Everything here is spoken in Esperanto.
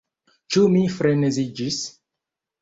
Ĉu mi freneziĝis?